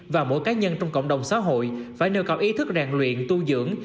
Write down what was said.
và mỗi cá nhân trong cộng đồng xã hội phải nêu cầu ý thức ràng luyện tu dưỡng